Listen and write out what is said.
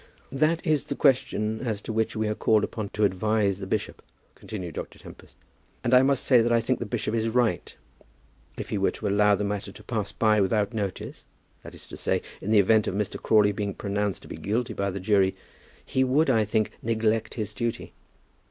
"That is the question as to which we are called upon to advise the bishop," continued Dr. Tempest. "And I must say that I think the bishop is right. If he were to allow the matter to pass by without notice, that is to say, in the event of Mr. Crawley being pronounced to be guilty by a jury, he would, I think, neglect his duty.